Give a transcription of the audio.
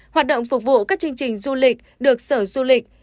hoạt động phục vụ các chương trình du lịch được sở du lịch